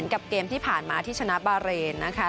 กับเกมที่ผ่านมาที่ชนะบาเรนนะคะ